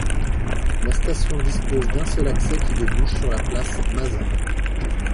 La station dispose d'un seul accès qui débouche sur la place Mazas.